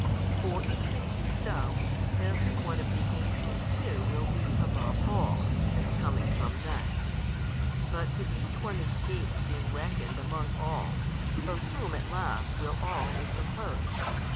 For if this be so, every one of the angels too will be above all, as coming from thence. But if each one escapes being reckoned among all, of whom at last will all be composed?